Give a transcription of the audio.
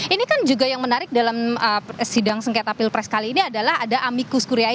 ini kan juga yang menarik dalam sidang sengketa pilpres kali ini adalah ada amikus kuryai